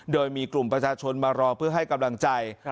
โดยมีกลุ่มประชาชนมารอเพื่อให้กำลังใจ